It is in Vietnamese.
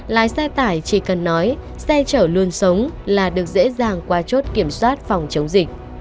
lái xe tải chỉ cần nói xe chở luôn sống là được dễ dàng qua chốt kiểm soát phòng chống dịch